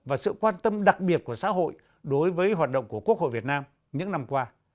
và sự quan tâm đặc biệt của xã hội đối với hoạt động của quốc hội việt nam những năm qua